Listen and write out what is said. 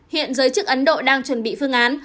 hiện giới chức ấn độ đang chuẩn bị phương án